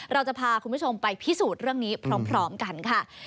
เราจะพาคุณผู้ชมไปพิสูจน์เรื่องนี้พร้อมกันค่ะ